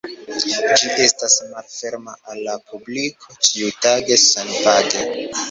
Ĝi estas malferma al la publiko ĉiutage senpage.